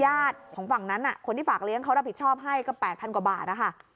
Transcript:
ของฝั่งนั้นคนที่ฝากเลี้ยงเขารับผิดชอบให้ก็๘๐๐กว่าบาทนะคะ